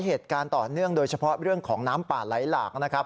เหตุการณ์ต่อเนื่องโดยเฉพาะเรื่องของน้ำป่าไหลหลากนะครับ